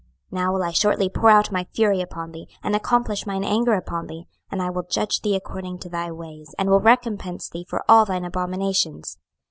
26:007:008 Now will I shortly pour out my fury upon thee, and accomplish mine anger upon thee: and I will judge thee according to thy ways, and will recompense thee for all thine abominations.